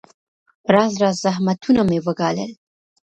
راز راز زحمتونه مې وګالل.